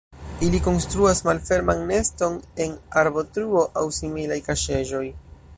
Ili konstruas malferman neston en arbotruo aŭ similaj kaŝeĵoj.